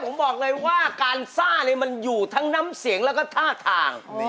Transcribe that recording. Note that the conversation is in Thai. ผมบอกเลยว่าการซ่าเนี่ยมันอยู่ทั้งน้ำเสียงแล้วก็ท่าทาง